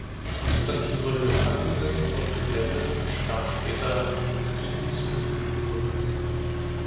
Konstantin wurde gefangen gesetzt und geblendet und starb später an den ihm zugefügten Wunden.